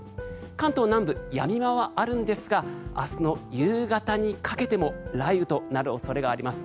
関東南部、やみ間はあるんですが明日の夕方にかけても雷雨となる恐れがあります。